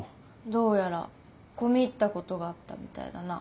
どうやら込み入ったことがあったみたいだな。